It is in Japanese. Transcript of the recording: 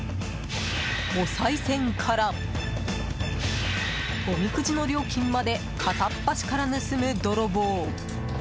おさい銭からおみくじの料金まで片っ端から盗む泥棒。